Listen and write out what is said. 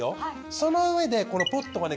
その上でこのポットがね